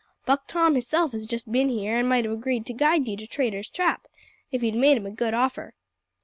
"Buck Tom hisself has just bin here, an' might have agreed to guide you to Traitor's Trap if you'd made him a good offer."